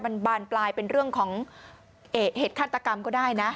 มันบานปลายเป็นเรื่องของเหตุฆาตกรรมก็ได้นะ